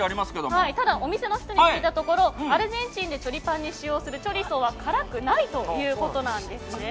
ただ、お店の人に聞いたところアルゼンチンでチョリパンに使用するチョリソーは辛くないということですね。